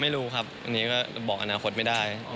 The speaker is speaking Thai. ไม่รู้ครับอันนี้ก็บอกอนาคตไม่ได้